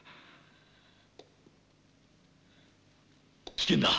危険だ！